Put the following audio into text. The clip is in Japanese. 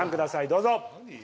どうぞ！